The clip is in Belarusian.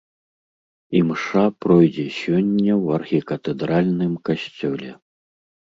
Імша пройдзе сёння ў архікатэдральным касцёле.